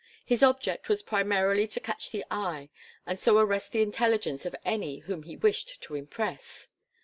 His object was primarily to catch the eye and so arrest the intelligence of any whom he wished to impress.